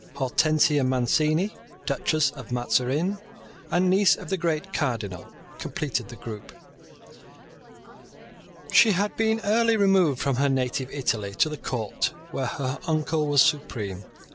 Hortensia Mancini, Duchess of Mazarin, and niece of the great Cardinal, completed the group. She had been early removed from her native Italy to the court where her uncle was supreme.